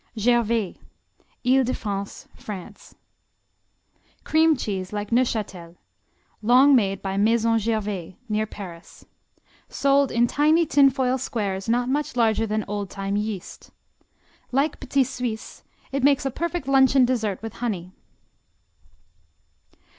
Gervais Ile de France, France Cream cheese like Neufchâtel, long made by Maison Gervais, near Paris. Sold in tiny tin foil squares not much larger than old time yeast. Like Petit Suisse, it makes a perfect luncheon dessert with honey.